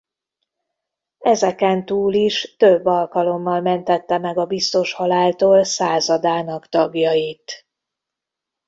Ezeken túl is több alkalommal mentette meg a biztos haláltól századának tagjait.